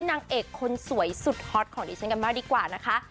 นางเอกคนสวยสุดฮอตของดิฉันกันมากดีกว่านะคะ